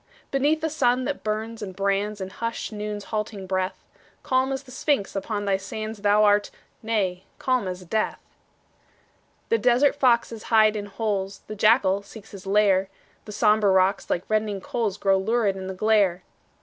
Beneath the sun that burns and brands In hushed Noon's halting breath, Calm as the Sphinx upon thy sands Thou art nay, calm as death. The desert foxes hide in holes, The jackal seeks his lair; The sombre rocks, like reddening coals, Glow lurid in the glare.